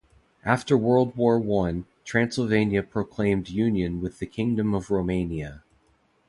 After World War One, Transylvania proclaimed union with the Kingdom of Romania.